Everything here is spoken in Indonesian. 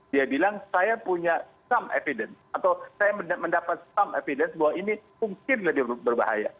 dia bilang saya punya trump evidence atau saya mendapat evidence bahwa ini mungkin lebih berbahaya